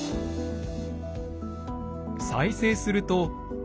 再生すると。